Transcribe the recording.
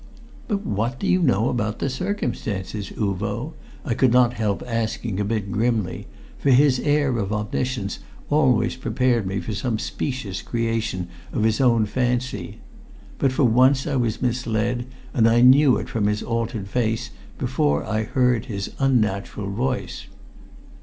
"But what do you know about the circumstances, Uvo?" I could not help asking a bit grimly; for his air of omniscience always prepared me for some specious creation of his own fancy. But for once I was misled, and I knew it from his altered face before I heard his unnatural voice.